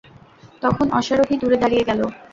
তখন অশ্বারোহী দূরে দাঁড়িয়ে গেল।